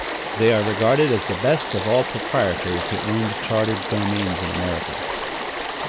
They are regarded as the best of all the proprietors, who owned charted domains in America.